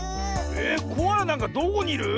えっコアラなんかどこにいる？